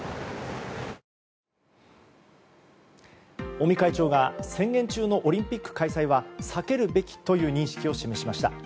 尾身会長が宣言中のオリンピック開催は避けるべきという認識を示しました。